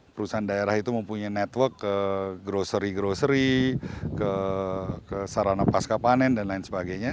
perusahaan daerah itu mempunyai network ke grocery grocery ke sarana pasca panen dan lain sebagainya